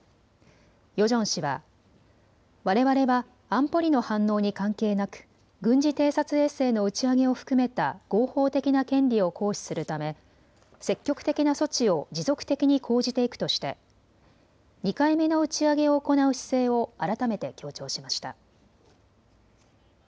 ヨジョン氏はわれわれは安保理の反応に関係なく軍事偵察衛星の打ち上げを含めた合法的な権利を行使するため積極的な措置を持続的に講じていくとして２回目の打ち上げを行う姿勢を改めて強調しました。